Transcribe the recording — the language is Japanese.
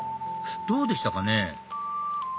どうでしたかね？